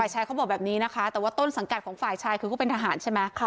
ชายเขาบอกแบบนี้นะคะแต่ว่าต้นสังกัดของฝ่ายชายคือเขาเป็นทหารใช่ไหม